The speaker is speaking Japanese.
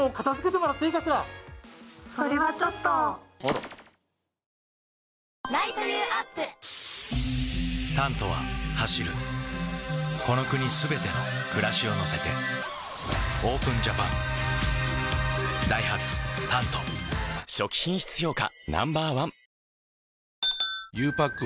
Ｎｏ．１「タント」は走るこの国すべての暮らしを乗せてＯＰＥＮＪＡＰＡＮダイハツ「タント」初期品質評価